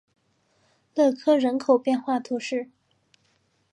勒科人口变化图示